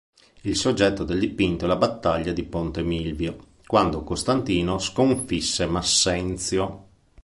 Il soggetto del dipinto è la battaglia di Ponte Milvio, quando Costantino sconfisse Massenzio.